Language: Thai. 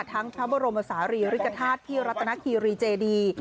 พระบรมศาลีริกฐาตุรัตนคีรีเจดี